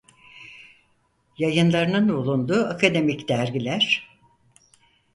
Yayınlarının bulunduğu akademik dergiler: